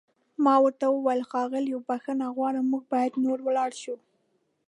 ما ورته وویل: ښاغلو، بښنه غواړم موږ باید نور ولاړ شو.